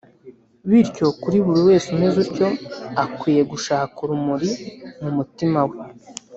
bityo ko buri wese umeze gutyo akwiye gushaka urumuri mu mutima we